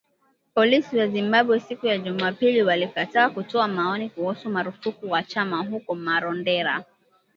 Polisi wa Zimbabwe siku ya Jumapili walikataa kutoa maoni kuhusu marufuku kwa chama huko Marondera